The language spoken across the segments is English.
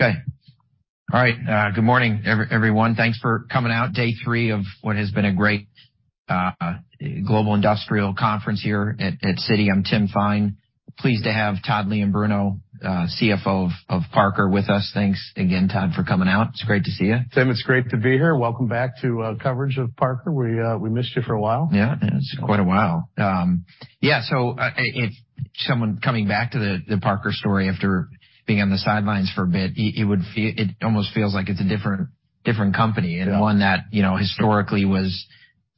Okay. All right. Good morning, everyone. Thanks for coming out. Day three of what has been a great global industrial conference here at Citi. I'm Tim Thein. Pleased to have Todd Leombruno, CFO of Parker with us. Thanks again, Todd, for coming out. It's great to see you. Tim, it's great to be here. Welcome back to coverage of Parker. We missed you for a while. It's quite a while. If someone coming back to the Parker story after being on the sidelines for a bit, it almost feels like it's a different company. Yeah. One that, you know, historically was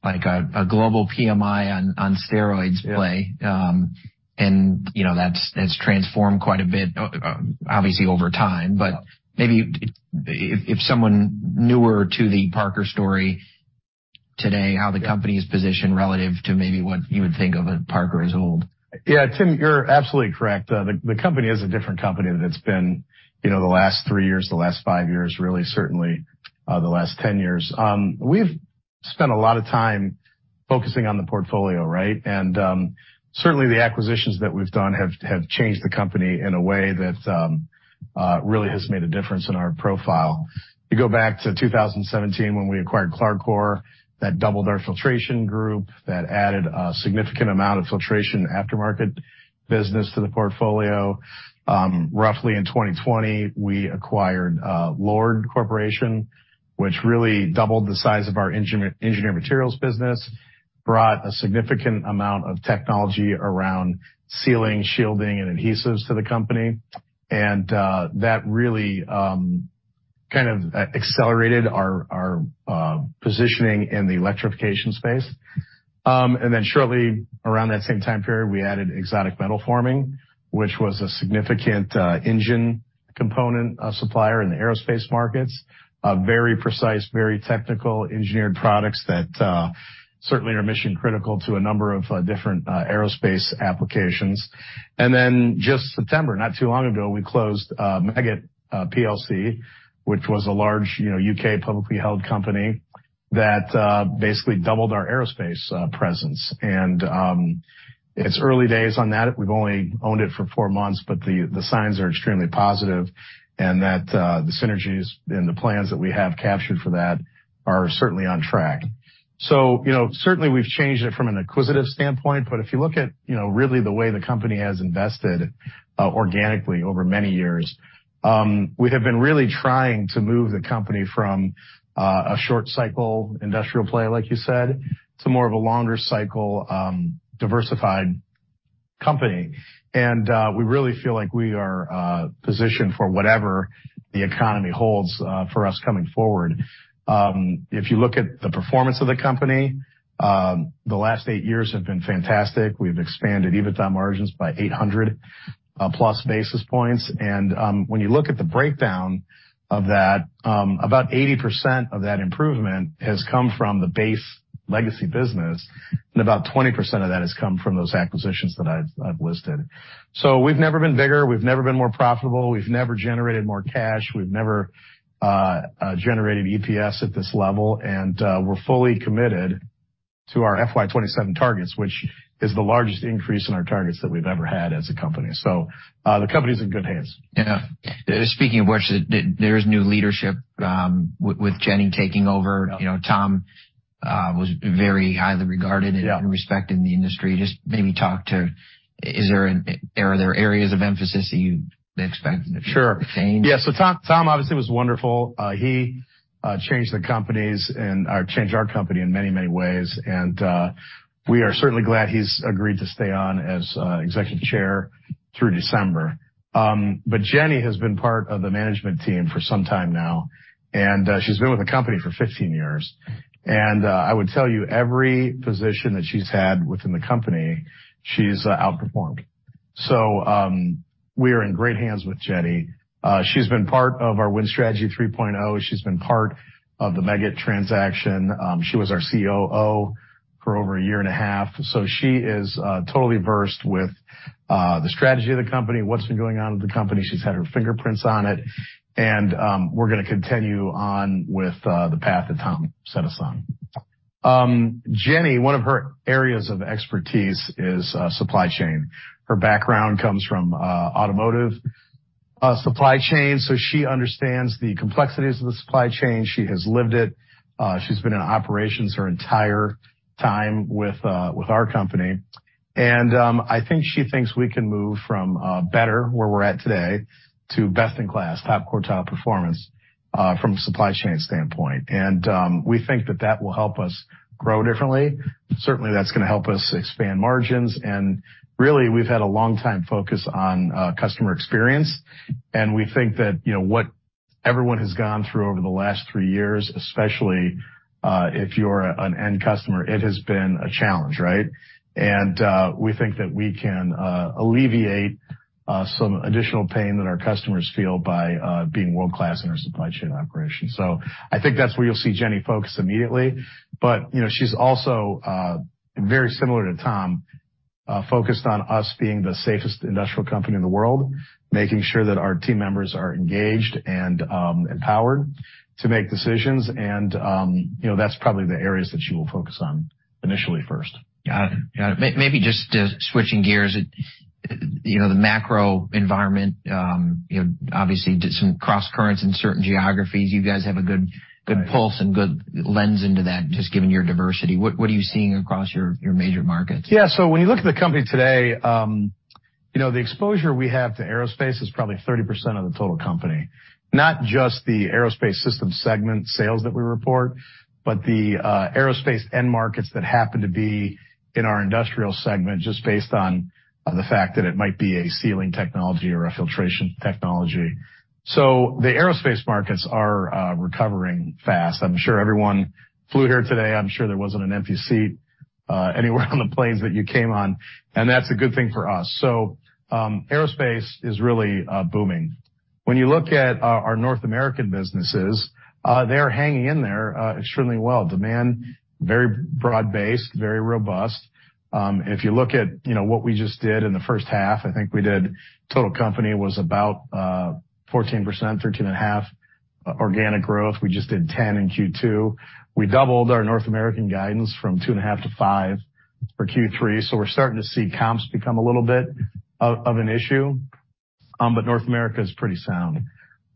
like a global PMI on steroids play. Yeah. you know, that's transformed quite a bit obviously over time. Yeah. Maybe if someone newer to the Parker story today... Yeah. -how the company is positioned relative to maybe what you would think of Parker as old. Yeah, Tim, you're absolutely correct. The company is a different company than it's been, you know, the last three years, the last five years, really, certainly, the last 10 years. We've spent a lot of time focusing on the portfolio, right? Certainly, the acquisitions that we've done have changed the company in a way that really has made a difference in our profile. You go back to 2017 when we acquired CLARCOR, that doubled our filtration group. That added a significant amount of filtration aftermarket business to the portfolio. Roughly in 2020, we acquired LORD Corporation, which really doubled the size of our engine-engineered materials business, brought a significant amount of technology around sealing, shielding, and adhesives to the company. That really accelerated our positioning in the electrification space. Then shortly around that same time period, we added Exotic Metals Forming, which was a significant engine component supplier in the aerospace markets. Very precise, very technical engineered products that certainly are mission critical to a number of different aerospace applications. Then just September, not too long ago, we closed Meggitt PLC, which was a large, you know, U.K. publicly held company that basically doubled our aerospace presence. It's early days on that. We've only owned it for four months, but the signs are extremely positive and that the synergies and the plans that we have captured for that are certainly on track. You know, certainly we've changed it from an acquisitive standpoint, but if you look at, you know, really the way the company has invested organically over many years, we have been really trying to move the company from a short cycle industrial play, like you said, to more of a longer cycle, diversified company. We really feel like we are positioned for whatever the economy holds for us coming forward. If you look at the performance of the company, the last eight years have been fantastic. We've expanded EBITDA margins by 800+ basis points. When you look at the breakdown of that, about 80% of that improvement has come from the base legacy business, and about 20% of that has come from those acquisitions that I've listed. We've never been bigger, we've never been more profitable, we've never generated more cash, we've never generated EPS at this level. We're fully committed to our FY 2027 targets, which is the largest increase in our targets that we've ever had as a company. The company's in good hands. Yeah. Speaking of which, there is new leadership, with Jenny taking over. Yeah. You know, Tom, was very highly regarded. Yeah. and respected in the industry. Just maybe are there areas of emphasis that you expect? Sure. to be the same? Yeah. Tom obviously was wonderful. He changed the companies and changed our company in many, many ways. We are certainly glad he's agreed to stay on as executive chair through December. Jenny has been part of the management team for some time now, she's been with the company for 15 years. I would tell you every position that she's had within the company, she's outperformed. We are in great hands with Jenny. She's been part of our Win Strategy 3.0. She's been part of the Meggitt transaction. She was our COO for over a year and a half. She is totally versed with the strategy of the company, what's been going on with the company. She's had her fingerprints on it. We're gonna continue on with the path that Tom set us on. Jenny, one of her areas of expertise is supply chain. Her background comes from automotive supply chain, so she understands the complexities of the supply chain. She has lived it. She's been in operations her entire time with our company. I think she thinks we can move from better, where we're at today, to best in class, top quartile performance from a supply chain standpoint. We think that that will help us grow differently. Certainly, that's gonna help us expand margins. Really, we've had a long time focus on customer experience, and we think that, you know, what everyone has gone through over the last three years, especially, if you're an end customer, it has been a challenge, right? We think that we can alleviate some additional pain that our customers feel by being world-class in our supply chain operations. I think that's where you'll see Jenny focus immediately. You know, she's also very similar to Tom, focused on us being the safest industrial company in the world, making sure that our team members are engaged and empowered to make decisions and, you know, that's probably the areas that she will focus on initially first. Got it. Got it. Maybe just switching gears. You know, the macro environment, you know, obviously did some cross currents in certain geographies. You guys have a good pulse and good lens into that, just given your diversity. What are you seeing across your major markets? When you look at the company today, you know, the exposure we have to aerospace is probably 30% of the total company, not just the Aerospace Systems segment sales that we report, but the aerospace end markets that happen to be in our industrial segment just based on the fact that it might be a sealing technology or a filtration technology. The aerospace markets are recovering fast. I'm sure everyone flew here today. I'm sure there wasn't an empty seat anywhere on the planes that you came on, and that's a good thing for us. Aerospace is really booming. When you look at our North American businesses, they're hanging in there extremely well. Demand, very broad-based, very robust. If you look at, you know, what we just did in the first half, I think we did total company was about 14%, 13.5% organic growth. We just did 10% in Q2. We doubled our North American guidance from 2.5% to 5% for Q3. We're starting to see comps become a little bit of an issue. North America is pretty sound.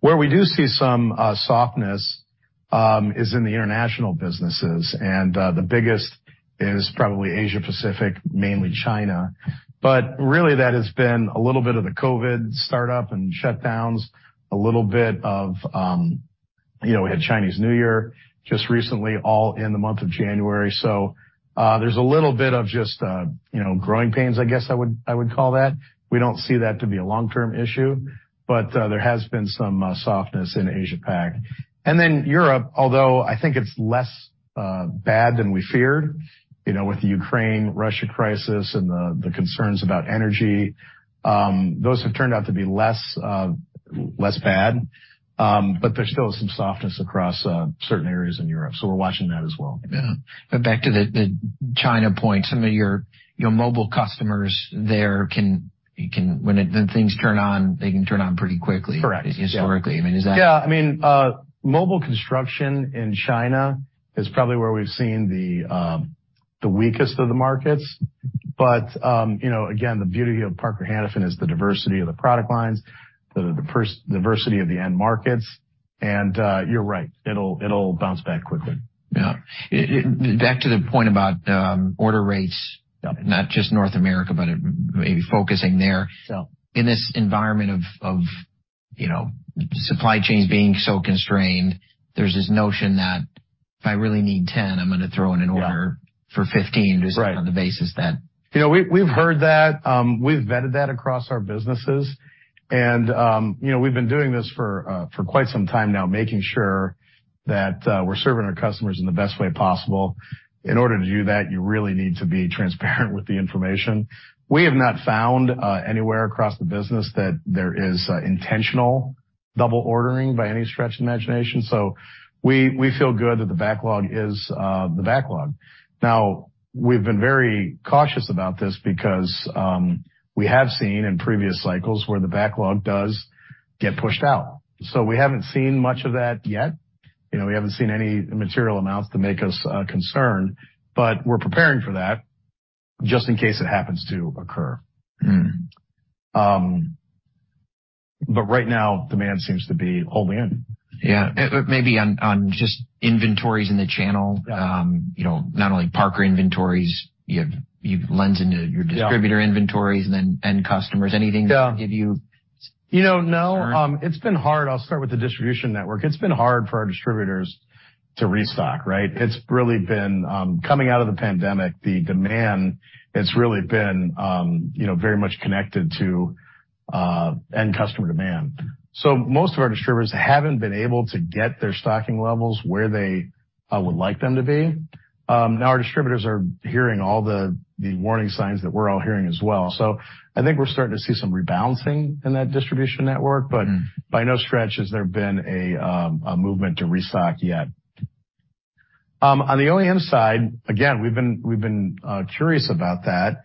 Where we do see some softness is in the international businesses, the biggest is probably Asia-Pacific, mainly China. Really that has been a little bit of the COVID startup and shutdowns, a little bit of, you know, we had Chinese New Year just recently, all in the month of January. There's a little bit of just, you know, growing pains, I guess I would call that. We don't see that to be a long-term issue, but there has been some softness in Asia Pac. Europe, although I think it's less bad than we feared, you know, with the Ukraine-Russia crisis and the concerns about energy, those have turned out to be less bad. There still is some softness across certain areas in Europe, so we're watching that as well. Yeah. Back to the China point, some of your mobile customers there can the things turn on, they can turn on pretty quickly- Correct. historically. I mean, is that- Yeah. I mean, mobile construction in China is probably where we've seen the weakest of the markets. You know, again, the beauty of Parker-Hannifin is the diversity of the product lines, the diversity of the end markets. You're right, it'll bounce back quickly. Yeah. Back to the point about order rates. Yeah. not just North America, but maybe focusing there. Sure. In this environment of, you know, supply chains being so constrained, there's this notion that if I really need 10, I'm gonna throw in an order. Yeah. for 15. Right. on the basis that. You know, we've heard that, we've vetted that across our businesses and, you know, we've been doing this for quite some time now, making sure that we're serving our customers in the best way possible. In order to do that, you really need to be transparent with the information. We have not found anywhere across the business that there is intentional double ordering by any stretch of imagination. We feel good that the backlog is the backlog. We've been very cautious about this because we have seen in previous cycles where the backlog does get pushed out. We haven't seen much of that yet. You know, we haven't seen any material amounts to make us concerned, but we're preparing for that just in case it happens to occur. Mm. Right now, demand seems to be holding in. Yeah. Maybe on just inventories in the channel. Yeah. You know, not only Parker inventories, you lens into your distributor inventories and then end customers. Anything that can give you... You know, no. It's been hard. I'll start with the distribution network. It's been hard for our distributors to restock, right? It's really been coming out of the pandemic, the demand, it's really been, you know, very much connected to end customer demand. Most of our distributors haven't been able to get their stocking levels where they would like them to be. Now our distributors are hearing all the warning signs that we're all hearing as well. I think we're starting to see some rebalancing in that distribution network, but by no stretch has there been a movement to restock yet. On the OEM side, again, we've been curious about that.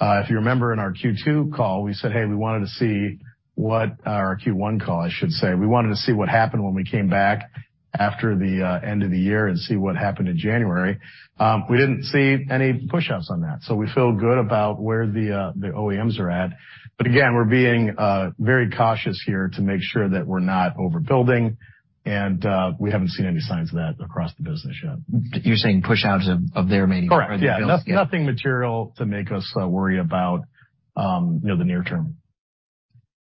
If you remember in our Q2 call, we said, hey, we wanted to see or our Q1 call, I should say, we wanted to see what happened when we came back after the end of the year and see what happened in January. We didn't see any push-outs on that, so we feel good about where the OEMs are at. Again, we're being very cautious here to make sure that we're not overbuilding and we haven't seen any signs of that across the business yet. You're saying pushouts of their maybe- Correct. Yeah. Nothing material to make us worry about, you know, the near term.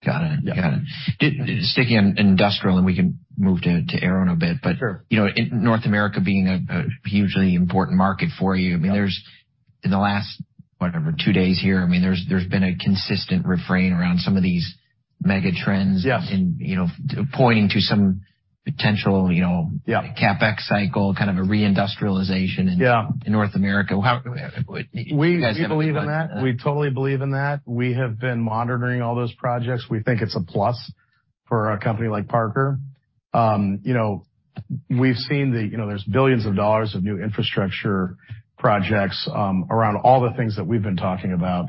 Got it. Yeah. Got it. Sticking on industrial, and we can move to Aero in a bit. Sure. You know, North America being a hugely important market for you. I mean, there's in the last, whatever, two days here, I mean, there's been a consistent refrain around some of these mega trends. Yes. you know, pointing to some potential, you know... Yeah. CapEx cycle, kind of a reindustrialization in- Yeah. in North America. How... We believe in that. We totally believe in that. We have been monitoring all those projects. We think it's a plus for a company like Parker. you know, we've seen the, you know, there's $ billions of new infrastructure projects around all the things that we've been talking about,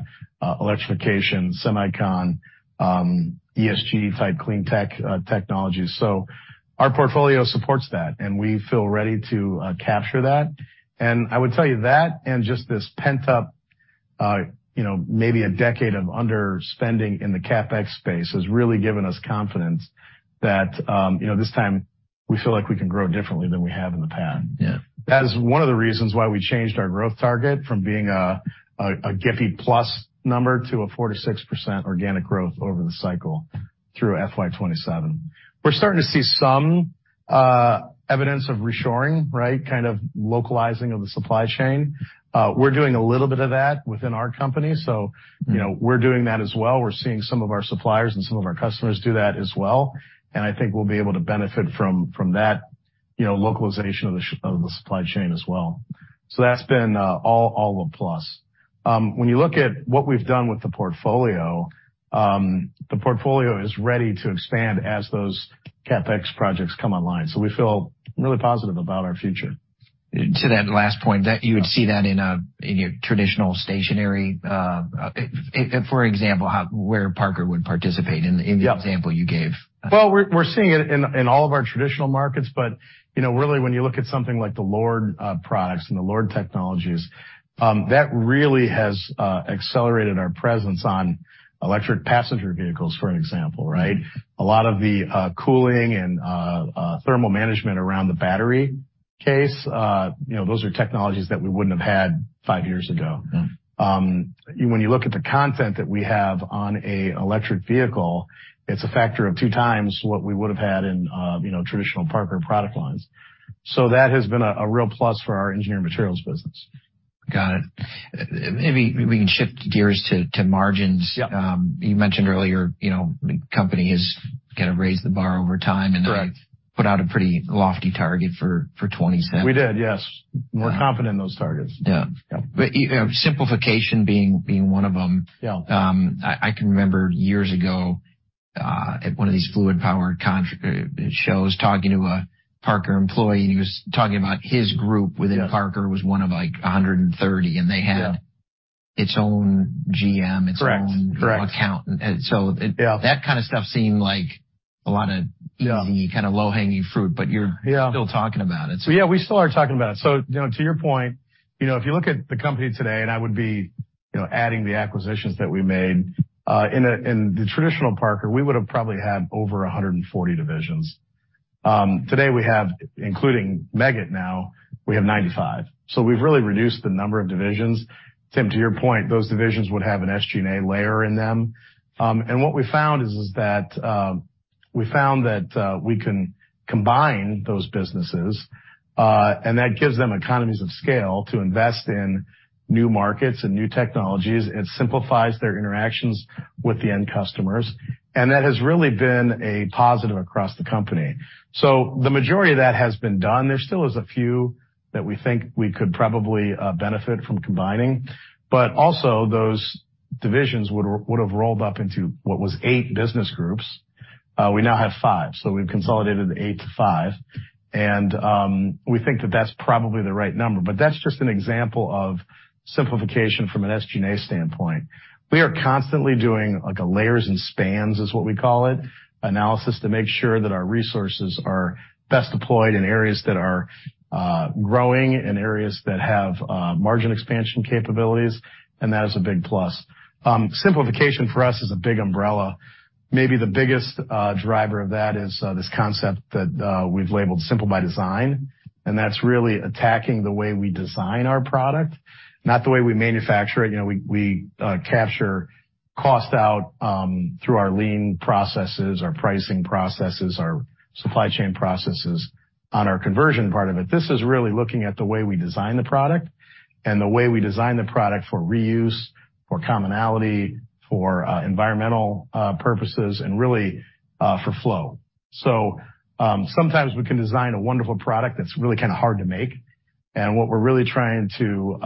electrification, semicon, ESG type clean tech technologies. Our portfolio supports that, and we feel ready to capture that. I would tell you that and just this pent up, you know, maybe a decade of underspending in the CapEx space has really given us confidence that, you know, this time we feel like we can grow differently than we have in the past. Yeah. That is one of the reasons why we changed our growth target from being a GDP+ number to a 4%-6% organic growth over the cycle through FY 2027. We're starting to see some evidence of reshoring, right? Kind of localizing of the supply chain. We're doing a little bit of that within our company. You know, we're doing that as well. We're seeing some of our suppliers and some of our customers do that as well. I think we'll be able to benefit from that, you know, localization of the supply chain as well. That's been all a plus. When you look at what we've done with the portfolio, the portfolio is ready to expand as those CapEx projects come online. We feel really positive about our future. To that last point, that you would see that in a, in your traditional stationary, if for example, how, where Parker would participate. Yeah. in the example you gave. Well, we're seeing it in all of our traditional markets. You know, really, when you look at something like the LORD products and the LORD technologies, that really has accelerated our presence on electric passenger vehicles, for an example, right? A lot of the cooling and thermal management around the battery case, you know, those are technologies that we wouldn't have had five years ago. Yeah. When you look at the content that we have on a electric vehicle, it's a factor of 2x what we would have had in, you know, traditional Parker product lines. That has been a real plus for our engineered materials business. Got it. Maybe we can shift gears to margins. Yeah. You mentioned earlier, you know, the company has kind of raised the bar over time- Correct. Put out a pretty lofty target for 2027. We did, yes. We're confident in those targets. Yeah. Yeah. you know, simplification being one of them. Yeah. I can remember years ago, at one of these fluid power shows, talking to a Parker employee, and he was talking about his group within Parker was one of, like, 130. Yeah. They had its own GM. Correct. Its own account. Yeah. That kind of stuff seemed like a lot of. Yeah. easy kind of low-hanging fruit, but. Yeah. still talking about it. Yeah, we still are talking about it. You know, to your point, you know, if you look at the company today, and I would be, you know, adding the acquisitions that we made in the traditional Parker, we would have probably had over 140 divisions. Today we have, including Meggitt now, we have 95. We've really reduced the number of divisions. Tim, to your point, those divisions would have an SG&A layer in them. What we found is that, we found that we can combine those businesses, and that gives them economies of scale to invest in new markets and new technologies. It simplifies their interactions with the end customers. That has really been a positive across the company. The majority of that has been done. There still is a few that we think we could probably benefit from combining. Also those divisions would have rolled up into what was eight business groups. We now have five, so we've consolidated eight to five. We think that that's probably the right number. That's just an example of simplification from an SG&A standpoint. We are constantly doing, like, a spans and layers is what we call it, analysis to make sure that our resources are best deployed in areas that are growing, in areas that have margin expansion capabilities. That is a big plus. Simplification for us is a big umbrella. Maybe the biggest driver of that is this concept that we've labeled Simple by Design, and that's really attacking the way we design our product, not the way we manufacture it. You know, we capture cost out through our lean processes, our pricing processes, our supply chain processes on our conversion part of it. This is really looking at the way we design the product and the way we design the product for reuse, for commonality, for environmental purposes, and really for flow. Sometimes we can design a wonderful product that's really kind of hard to make. What we're really trying to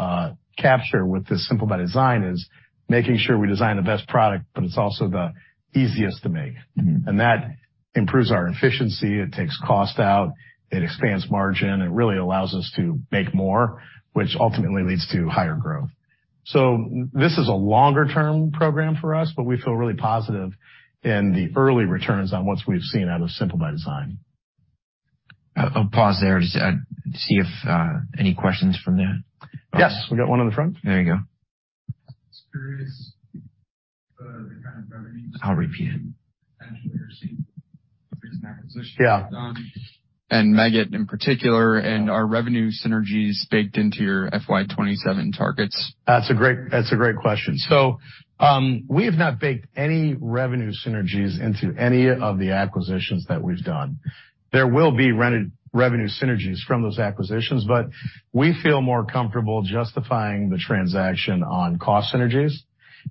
capture with this Simple by Design is making sure we design the best product, but it's also the easiest to make. Mm-hmm. That improves our efficiency. It takes cost out, it expands margin. It really allows us to make more, which ultimately leads to higher growth. This is a longer-term program for us, but we feel really positive in the early returns on what we've seen out of Simple by Design. I'll pause there to see if any questions from that. Yes. We've got one in the front. There you go. Curious the kind of revenue- I'll repeat it. Actually received since the acquisition. Yeah. Meggitt in particular. Are revenue synergies baked into your FY 2027 targets? That's a great question. We have not baked any revenue synergies into any of the acquisitions that we've done. There will be revenue synergies from those acquisitions, but we feel more comfortable justifying the transaction on cost synergies.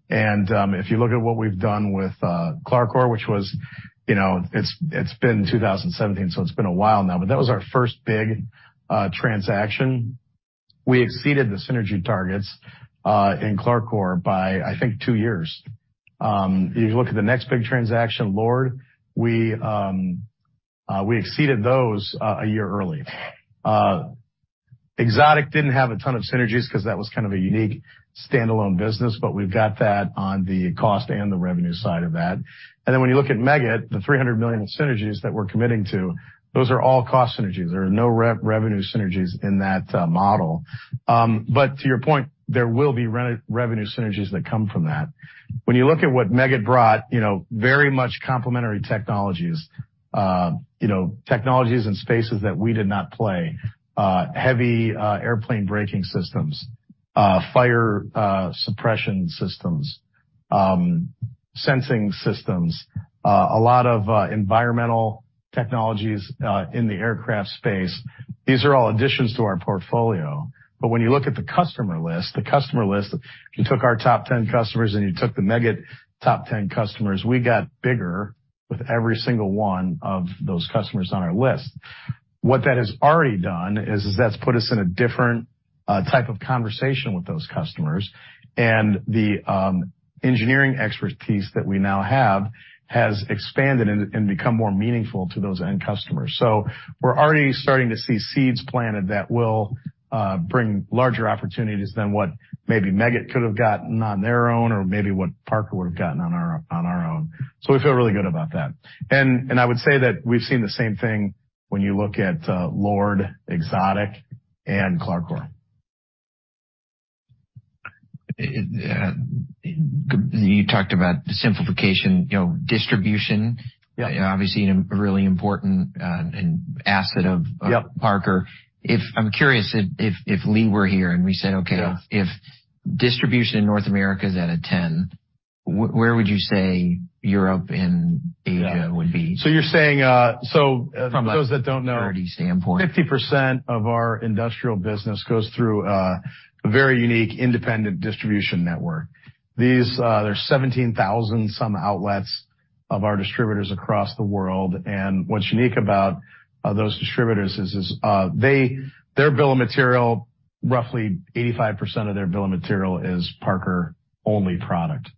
If you look at what we've done with CLARCOR, which was, you know, it's been 2017, so it's been a while now, but that was our first big transaction. We exceeded the synergy targets in CLARCOR by, I think, two years. If you look at the next big transaction, LORD, we exceeded those one year early. Exotic didn't have a ton of synergies because that was kind of a unique standalone business, but we've got that on the cost and the revenue side of that. When you look at Meggitt, the $300 million synergies that we're committing to, those are all cost synergies. There are no revenue synergies in that model. To your point, there will be revenue synergies that come from that. When you look at what Meggitt brought, you know, very much complementary technologies, you know, technologies and spaces that we did not play heavy, airplane braking systems, fire suppression systems, sensing systems, a lot of environmental technologies in the aircraft space. These are all additions to our portfolio. When you look at the customer list, if you took our top 10 customers and you took the Meggitt top 10 customers, we got bigger with every single one of those customers on our list. What that has already done is that's put us in a different type of conversation with those customers. The engineering expertise that we now have has expanded and become more meaningful to those end customers. We're already starting to see seeds planted that will bring larger opportunities than what maybe Meggitt could have gotten on their own or maybe what Parker would have gotten on our own. We feel really good about that. I would say that we've seen the same thing when you look at LORD, Exotic, and CLARCOR. You talked about simplification, you know. Yeah. Obviously a really important, an asset of. Yep. Parker. I'm curious if Lee were here, and we said. Yeah. If distribution in North America is at a 10, where would you say Europe and Asia would be? You're saying, so for those that don't know... From a 30 standpoint. 50% of our industrial business goes through a very unique independent distribution network. These, there's 17,000 some outlets of our distributors across the world. What's unique about those distributors is, their bill of material, roughly 85% of their bill of material is Parker-only product.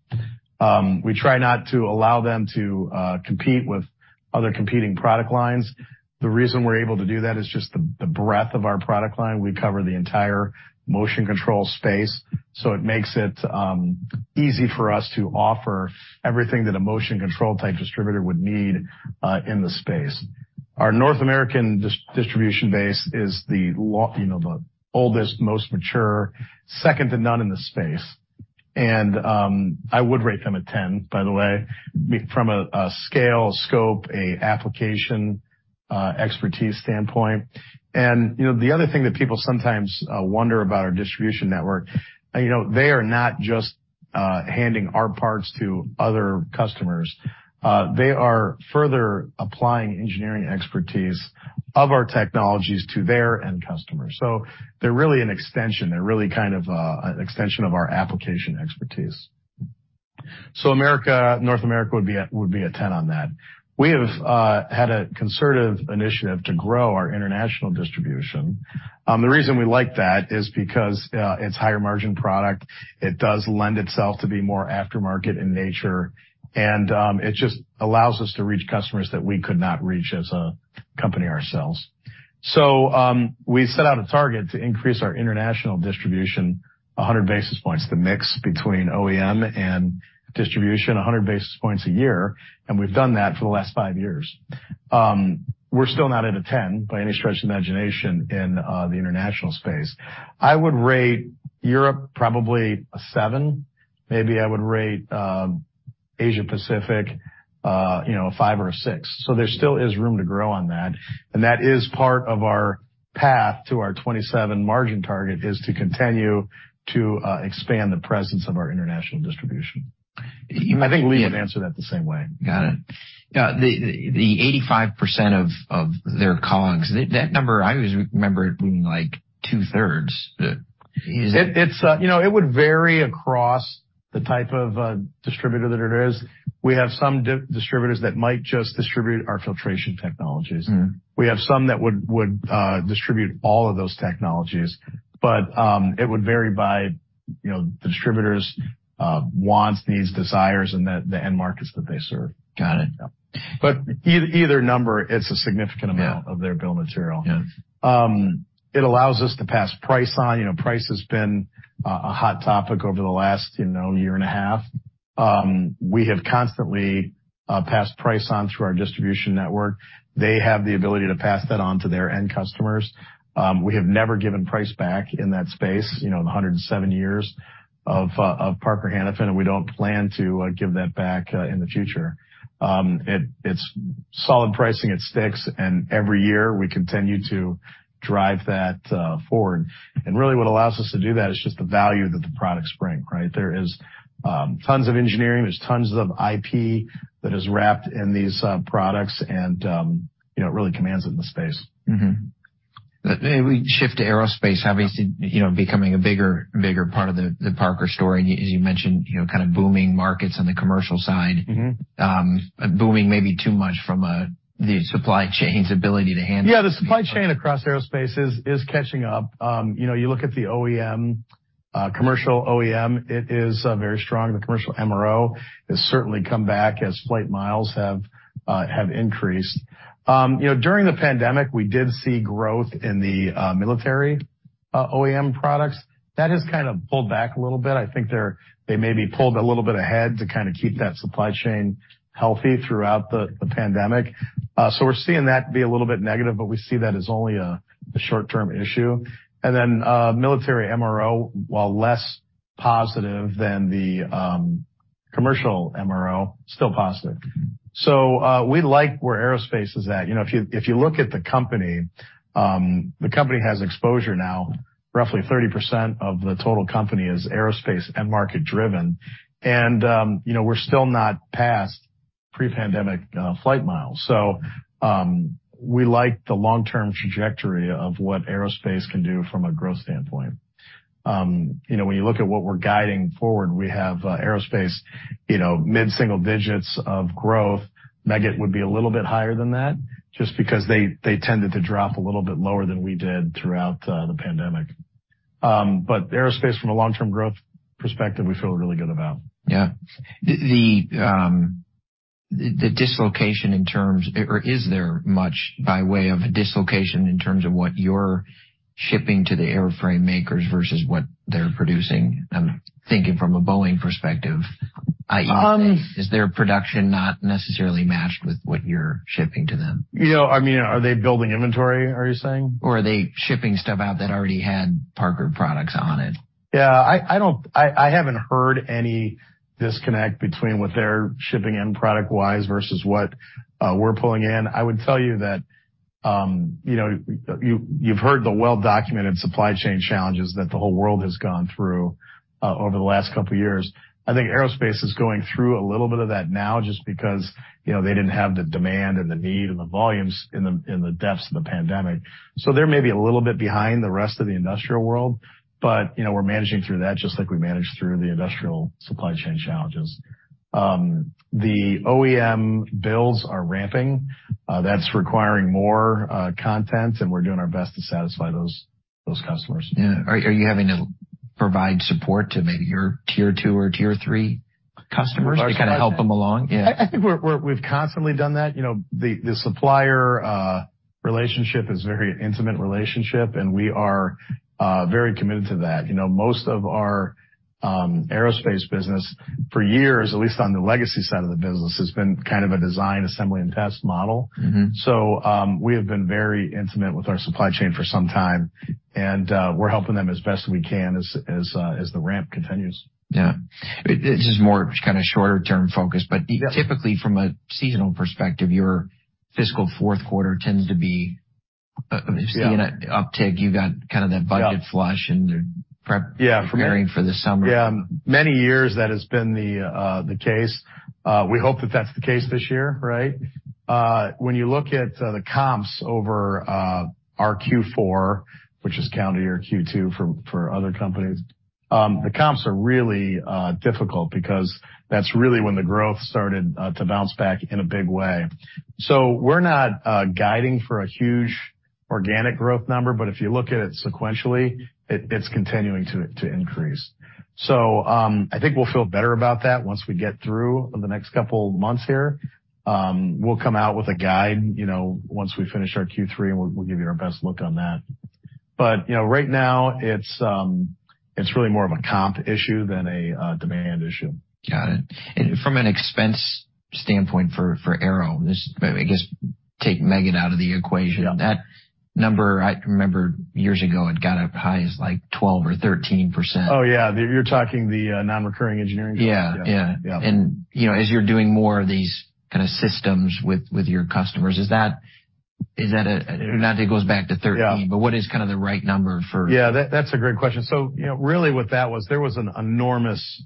We try not to allow them to compete with other competing product lines. The reason we're able to do that is just the breadth of our product line. We cover the entire motion control space, so it makes it easy for us to offer everything that a motion control type distributor would need in the space. Our North American distribution base is the you know, the oldest, most mature, second to none in the space. I would rate them a ten, by the way, from a scale, scope, a application, expertise standpoint. You know, the other thing that people sometimes wonder about our distribution network, you know, they are not just handing our parts to other customers. They are further applying engineering expertise of our technologies to their end customers. They're really an extension. They're really kind of an extension of our application expertise. North America would be a, would be a ten on that. We have had a conservative initiative to grow our international distribution. The reason we like that is because it's higher margin product. It does lend itself to be more aftermarket in nature, and it just allows us to reach customers that we could not reach as a company ourselves. We set out a target to increase our international distribution 100 basis points, the mix between OEM and distribution, 100 basis points a year, and we've done that for the last five years. We're still not at a 10 by any stretch of the imagination in the international space. I would rate Europe probably a seven, maybe I would rate Asia-Pacific, you know, a five or a six. There still is room to grow on that. That is part of our path to our 2027 margin target is to continue to expand the presence of our international distribution. I think Lee would answer that the same way. Got it. The 85% of their COGS, that number, I always remember it being like two-thirds. It's, you know, it would vary across the type of distributor that it is. We have some distributors that might just distribute our filtration technologies. Mm-hmm. We have some that would distribute all of those technologies, but it would vary by, you know, the distributors', wants, needs, desires, and the end markets that they serve. Got it. Either number, it's a significant amount. Yeah. Of their bill of material. Yeah. It allows us to pass price on. You know, price has been a hot topic over the last, you know, year and a half. We have constantly passed price on through our distribution network. They have the ability to pass that on to their end customers. We have never given price back in that space, you know, the 107 years of Parker-Hannifin, and we don't plan to give that back in the future. It's solid pricing, it sticks, and every year, we continue to drive that forward. Really, what allows us to do that is just the value that the products bring, right? There is tons of engineering, there's tons of IP that is wrapped in these products and, you know, it really commands it in the space. We shift to aerospace, obviously, you know, becoming a bigger part of the Parker story. As you mentioned, you know, kind of booming markets on the commercial side. Mm-hmm. Booming may be too much from, the supply chain's ability to handle. The supply chain across aerospace is catching up. You know, you look at the OEM, commercial OEM, it is very strong. The commercial MRO has certainly come back as flight miles have increased. You know, during the pandemic, we did see growth in the military OEM products. That has kind of pulled back a little bit. I think they may be pulled a little bit ahead to kind of keep that supply chain healthy throughout the pandemic. We're seeing that be a little bit negative, but we see that as only a short-term issue. Military MRO, while less positive than the commercial MRO, still positive. We like where aerospace is at. You know, if you look at the company, the company has exposure now. Roughly 30% of the total company is aerospace and market driven. You know, we're still not past pre-pandemic flight miles. We like the long-term trajectory of what aerospace can do from a growth standpoint. You know, when you look at what we're guiding forward, we have aerospace, you know, mid-single digits of growth. Meggitt would be a little bit higher than that just because they tended to drop a little bit lower than we did throughout the pandemic. Aerospace from a long-term growth perspective we feel really good about. Yeah. Is there much by way of dislocation in terms of what you're shipping to the airframe makers versus what they're producing? I'm thinking from a Boeing perspective, i.e. is their production not necessarily matched with what you're shipping to them? You know, I mean, are they building inventory, are you saying? Are they shipping stuff out that already had Parker products on it? Yeah, I haven't heard any disconnect between what they're shipping in product-wise versus what we're pulling in. I would tell you that, you know, you've heard the well-documented supply chain challenges that the whole world has gone through over the last couple years. I think aerospace is going through a little bit of that now just because, you know, they didn't have the demand and the need and the volumes in the, in the depths of the pandemic. They may be a little bit behind the rest of the industrial world, but, you know, we're managing through that just like we managed through the industrial supply chain challenges. The OEM builds are ramping. That's requiring more content, and we're doing our best to satisfy those customers. Yeah. Are you having to provide support to maybe your tier two or tier three customers- Large customers. to kinda help them along? Yeah. I think we've constantly done that. You know, the supplier relationship is a very intimate relationship, and we are very committed to that. You know, most of our aerospace business for years, at least on the legacy side of the business, has been kind of a design, assembly, and test model. Mm-hmm. We have been very intimate with our supply chain for some time and, we're helping them as best we can as the ramp continues. Yeah. It's just more kinda shorter term focused. Yeah. Typically from a seasonal perspective, your fiscal fourth quarter tends to be. Yeah. seeing an uptick. You got kinda that budget flush- Yeah. They're Yeah. preparing for the summer. Yeah. Many years that has been the case. We hope that that's the case this year, right? When you look at the comps over our Q4, which is calendar year Q2 for other companies, the comps are really difficult because that's really when the growth started to bounce back in a big way. We're not guiding for a huge organic growth number, but if you look at it sequentially, it's continuing to increase. I think we'll feel better about that once we get through the next couple months here. We'll come out with a guide, you know, once we finish our Q3, and we'll give you our best look on that. You know, right now it's really more of a comp issue than a demand issue. Got it. From an expense standpoint for Aero, I guess take Meggitt out of the equation. Yeah. That number, I remember years ago, it got up high as like 12% or 13%. Oh, yeah. You're talking the non-recurring engineering costs? Yeah. Yeah. Yeah. You know, as you're doing more of these kinda systems with your customers, is that a... Not that it goes back to 13- Yeah. what is kinda the right number for Yeah, that's a great question. You know, really what that was there was an enormous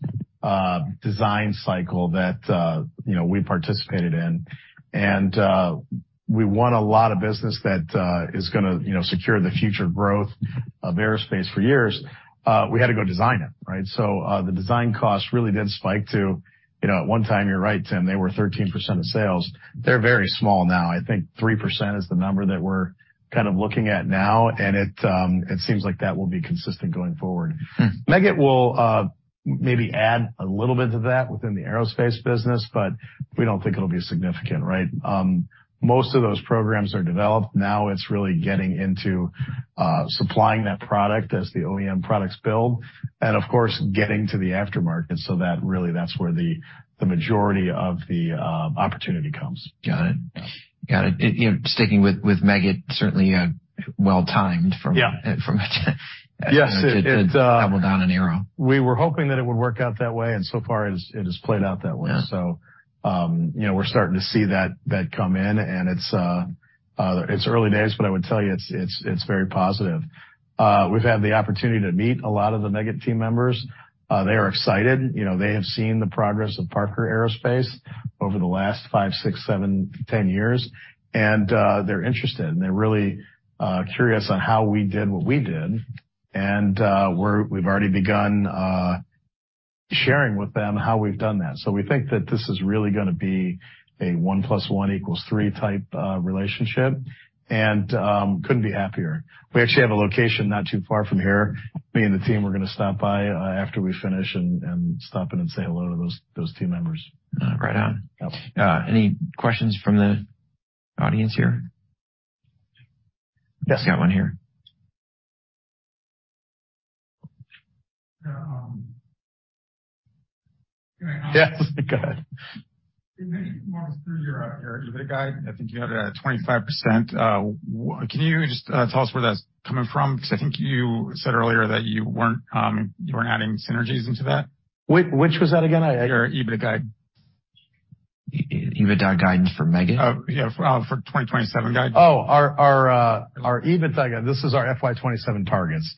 design cycle that, you know, we participated in. We won a lot of business that, is gonna, you know, secure the future growth of aerospace for years. We had to go design it, right? The design costs really did spike to, you know, at one time, you're right, Tim, they were 13% of sales. They're very small now. I think 3% is the number that we're kind of looking at now, and it seems like that will be consistent going forward. Hmm. Meggitt will maybe add a little bit to that within the aerospace business, but we don't think it'll be significant, right? Most of those programs are developed. Now it's really getting into supplying that product as the OEM products build and, of course, getting to the aftermarket, so that really, that's where the majority of the opportunity comes. Got it. Yeah. Got it. You know, sticking with Meggitt, certainly, well-timed. Yeah. From you know. Yes, it. -to double down in Aero. We were hoping that it would work out that way, and so far it has played out that way. Yeah. You know, we're starting to see that come in, and it's early days, but I would tell you it's, it's very positive. We've had the opportunity to meet a lot of the Meggitt team members. They are excited. You know, they have seen the progress of Parker Aerospace over the last five, six, seven to 10 years, and they're interested. They're really curious on how we did what we did. We've already begun sharing with them how we've done that. We think that this is really gonna be a 1+1=3 type relationship. Couldn't be happier. We actually have a location not too far from here. Me and the team we're gonna stop by, after we finish and stop in and say hello to those team members. Right on. Yeah. Any questions from the audience here? Yes. Got one here. Yeah. Yes. Go ahead. Walk us through your EBITDA guide. I think you had a 25%. Can you just tell us where that's coming from? I think you said earlier that you weren't adding synergies into that. Which was that again? I. Your EBITDA guide. EBITDA guidance for Meggitt. Oh, yeah, for 2027 guidance. our EBITDA guide. This is our FY 2027 targets.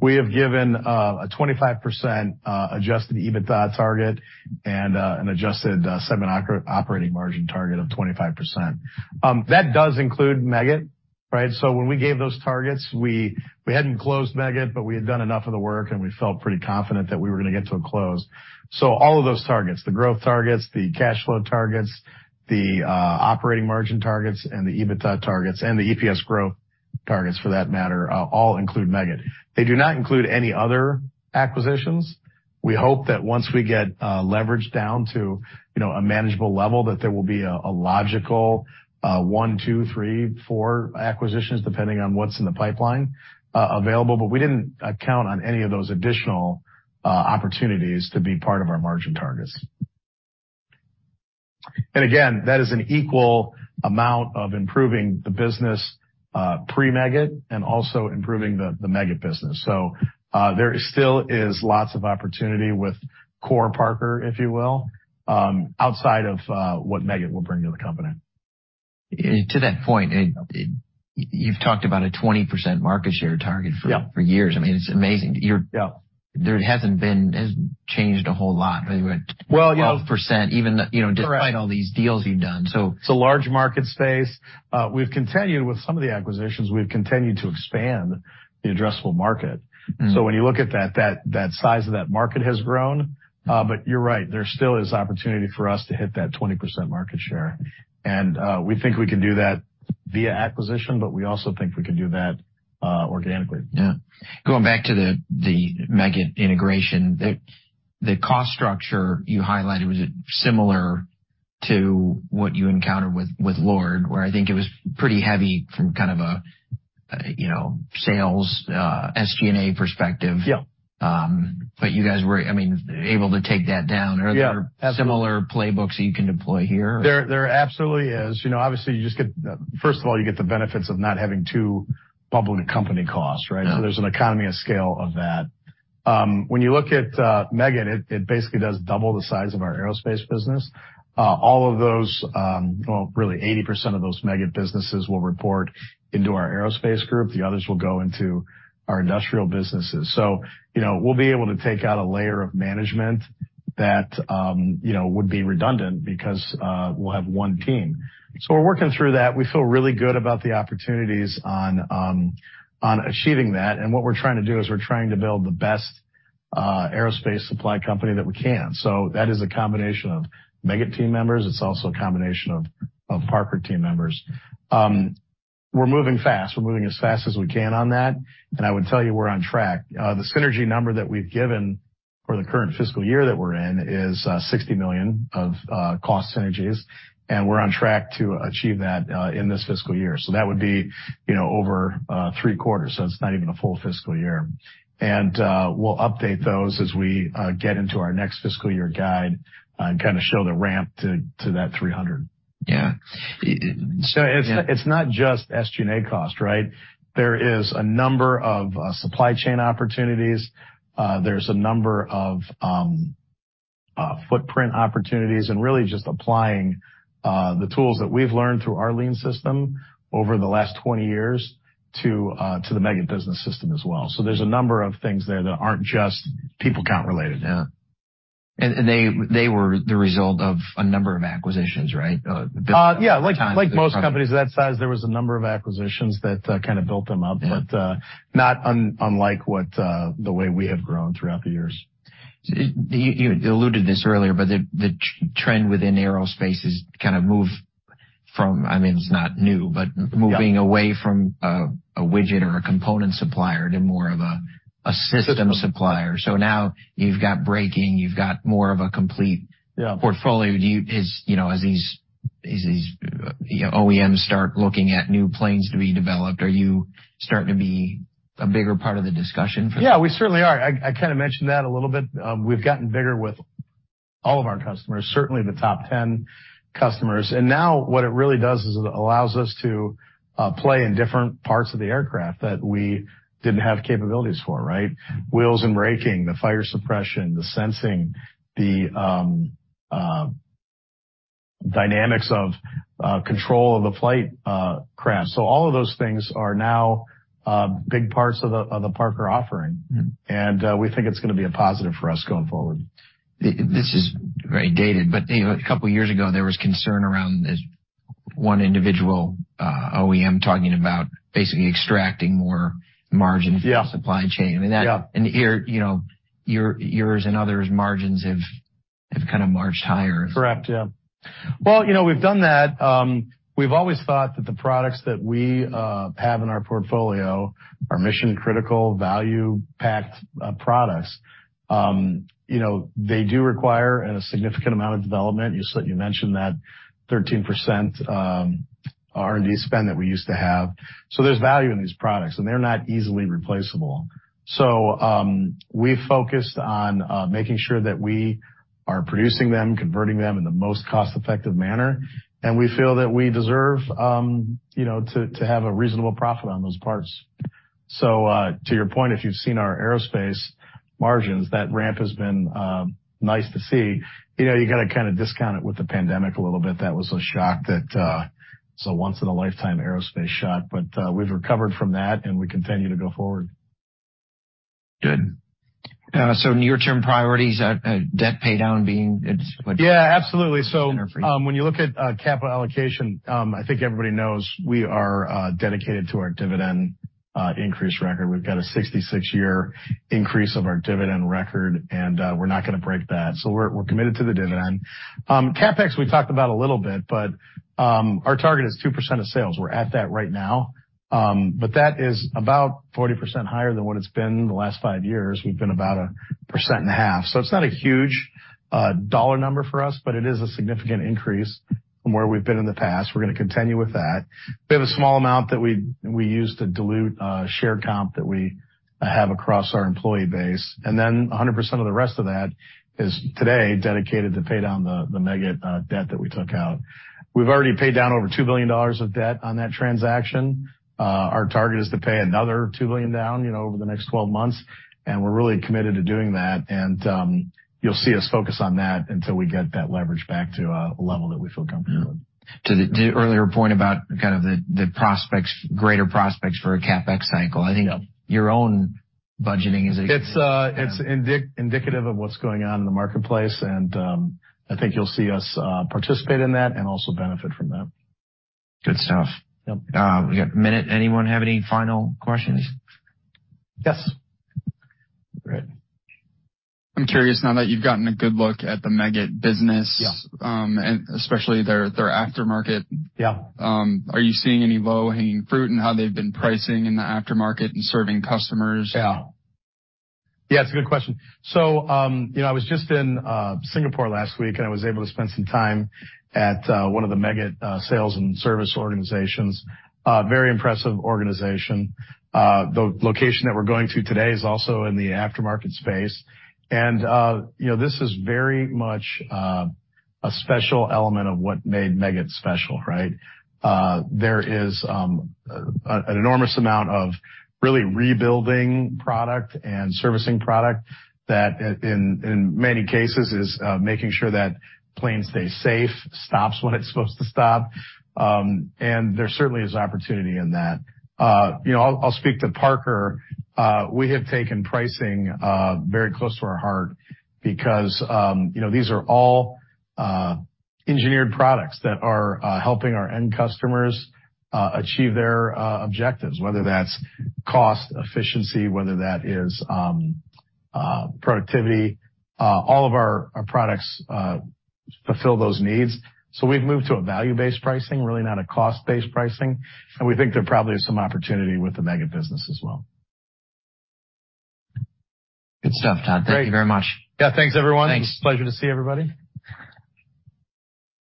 We have given a 25% adjusted EBITDA target and an adjusted segment operating margin target of 25%. That does include Meggitt, right? When we gave those targets, we hadn't closed Meggitt, but we had done enough of the work, and we felt pretty confident that we were gonna get to a close. All of those targets, the growth targets, the cash flow targets, the operating margin targets, and the EBITDA targets and the EPS growth targets for that matter, all include Meggitt. They do not include any other acquisitions. We hope that once we get leverage down to, you know, a manageable level, that there will be a logical one, two, three, four acquisitions depending on what's in the pipeline available. We didn't account on any of those additional opportunities to be part of our margin targets. Again, that is an equal amount of improving the business pre-Meggitt and also improving the Meggitt business. There still is lots of opportunity with core Parker, if you will, outside of what Meggitt will bring to the company. To that point, it you've talked about a 20% market share target for. Yeah. -for years. I mean, it's amazing. You're- Yeah. There hasn't changed a whole lot. You were at 12% even the, you know, despite all these deals you've done. It's a large market space. We've continued with some of the acquisitions. We've continued to expand the addressable market. Mm-hmm. When you look at that size of that market has grown. You're right, there still is opportunity for us to hit that 20% market share. We think we can do that via acquisition, but we also think we can do that organically. Yeah. Going back to the Meggitt integration. The, the cost structure you highlighted, was it similar to what you encountered with LORD, where I think it was pretty heavy from kind of a, you know, sales, SG&A perspective? Yeah. You guys were, I mean, able to take that down. Yeah. Are there similar playbooks that you can deploy here? There absolutely is. You know, obviously you just get. First of all, you get the benefits of not having two public company costs, right? There's an economy of scale of that. When you look at Meggitt, it basically does double the size of our aerospace business. All of those, well, really 80% of those Meggitt businesses will report into our aerospace group. The others will go into our industrial businesses. You know, we'll be able to take out a layer of management that, you know, would be redundant because we'll have one team. We're working through that. We feel really good about the opportunities on achieving that. What we're trying to do is we're trying to build the best aerospace supply company that we can. That is a combination of Meggitt team members. It's also a combination of Parker team members. We're moving fast. We're moving as fast as we can on that, and I would tell you we're on track. The synergy number that we've given for the current fiscal year that we're in is $60 million of cost synergies, and we're on track to achieve that in this fiscal year. That would be, you know, over three quarters, so it's not even a full fiscal year. We'll update those as we get into our next fiscal year guide and kinda show the ramp to that $300 million. Yeah. It's not just SG&A cost, right? There is a number of supply chain opportunities. There's a number of footprint opportunities and really just applying the tools that we've learned through our lean system over the last 20 years to the Meggitt business system as well. There's a number of things there that aren't just people count related. Yeah. They were the result of a number of acquisitions, right? Built over time. Yeah. Like most companies of that size, there was a number of acquisitions that kinda built them up... Yeah. Not unlike what, the way we have grown throughout the years. You alluded this earlier, but the trend within aerospace has kind of moved from. I mean, it's not new. Yeah. moving away from a widget or a component supplier to more of a system supplier. Now you've got braking, you've got more of a complete. Yeah. -portfolio. You know, as these OEMs start looking at new planes to be developed, are you starting to be a bigger part of the discussion for that? Yeah, we certainly are. I kind of mentioned that a little bit. We've gotten bigger with all of our customers, certainly the top 10 customers. Now what it really does is it allows us to play in different parts of the aircraft that we didn't have capabilities for, right? Wheels and braking, the fire suppression, the sensing, the dynamics of control of the flight craft. All of those things are now big parts of the Parker offering. Mm-hmm. We think it's gonna be a positive for us going forward. This is very dated, but, you know, a couple of years ago, there was concern around the one individual, OEM talking about basically extracting more margin. Yeah. from the supply chain. Yeah. Here, you know, your, yours and others' margins have kind of marched higher. Correct. Yeah. Well, you know, we've done that. We've always thought that the products that we have in our portfolio are mission-critical, value-packed, products. You know, they do require a significant amount of development. You mentioned that 13% R&D spend that we used to have. There's value in these products, and they're not easily replaceable. We focused on making sure that we are producing them, converting them in the most cost-effective manner, and we feel that we deserve, you know, to have a reasonable profit on those parts. To your point, if you've seen our aerospace margins, that ramp has been nice to see. You know, you gotta kinda discount it with the pandemic a little bit. That was a shock that it's a once in a lifetime aerospace shock. We've recovered from that, and we continue to go forward. Good. Near-term priorities are, debt pay down being it's like. Absolutely. When you look at capital allocation, I think everybody knows we are dedicated to our dividend increase record. We've got a 66-year increase of our dividend record, and we're not gonna break that. We're committed to the dividend. CapEx, we talked about a little bit, but our target is 2% of sales. We're at that right now. That is about 40% higher than what it's been the last five years. We've been about 1.5%. It's not a huge dollar number for us, but it is a significant increase from where we've been in the past. We're gonna continue with that. We have a small amount that we use to dilute share comp that we have across our employee base. A hundred percent of the rest of that is today dedicated to pay down the Meggitt debt that we took out. We've already paid down over $2 billion of debt on that transaction. Our target is to pay another $2 billion down, you know, over the next 12 months, and we're really committed to doing that. You'll see us focus on that until we get that leverage back to a level that we feel comfortable with. To your earlier point about kind of the prospects, greater prospects for a CapEx cycle, I think- Yeah. your own budgeting is It's indicative of what's going on in the marketplace. I think you'll see us participate in that and also benefit from that. Good stuff. Yep. We got a minute. Anyone have any final questions? Yes. Brett. I'm curious now that you've gotten a good look at the Meggitt business- Yeah. and especially their aftermarket- Yeah. Are you seeing any low-hanging fruit in how they've been pricing in the aftermarket and serving customers? Yeah. Yeah, it's a good question. You know, I was just in Singapore last week, and I was able to spend some time at one of the Meggitt sales and service organizations. Very impressive organization. The location that we're going to today is also in the aftermarket space. You know, this is very much a special element of what made Meggitt special, right? There is an enormous amount of really rebuilding product and servicing product that in many cases is making sure that planes stay safe, stops when it's supposed to stop. There certainly is opportunity in that. You know, I'll speak to Parker. We have taken pricing very close to our heart because, you know, these are all engineered products that are helping our end customers achieve their objectives, whether that's cost efficiency, whether that is productivity. All of our products fulfill those needs. We've moved to a value-based pricing, really not a cost-based pricing. We think there probably is some opportunity with the Meggitt business as well. Good stuff, Todd. Great. Thank you very much. Yeah, thanks, everyone. Thanks. Pleasure to see everybody.